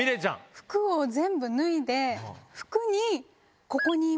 服を全部脱いで。